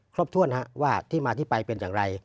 ครบถ้วนว่าที่มาที่ไปเป็นอย่างไร